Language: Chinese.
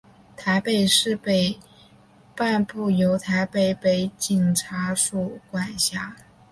台北市北半部由台北北警察署管辖。